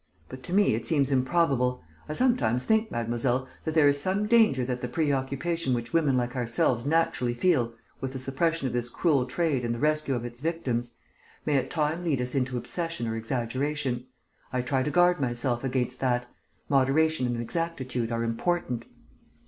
But to me it seems improbable, I sometimes think, mademoiselle, that there is some danger that the preoccupation which women like ourselves naturally feel with the suppression of this cruel trade and the rescue of its victims, may at times lead us into obsession or exaggeration. I try to guard myself against that. Moderation and exactitude are important."